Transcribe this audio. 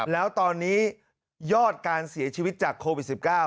แล้วตอนนี้ยอดการเสียชีวิตจากโควิด๑๙